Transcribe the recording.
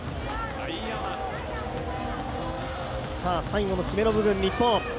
最後の締めの部分、日本。